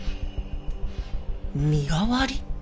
身代わり？